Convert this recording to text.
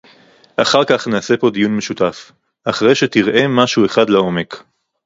אחר כך נעשה פה דיון משותף - אחרי שתראה משהו אחד לעומק